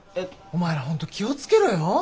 お前ら本当気を付けろよ？